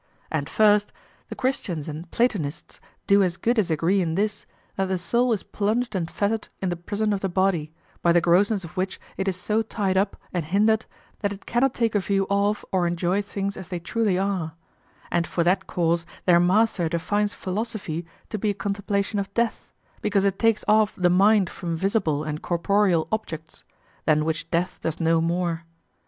And first, the Christians and Platonists do as good as agree in this, that the soul is plunged and fettered in the prison of the body, by the grossness of which it is so tied up and hindered that it cannot take a view of or enjoy things as they truly are; and for that cause their master defines philosophy to be a contemplation of death, because it takes off the mind from visible and corporeal objects, than which death does no more.